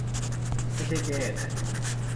ไม่ใช่แก้นะ